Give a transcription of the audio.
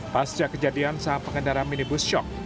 pasca kejadian saat pengendara minibus syok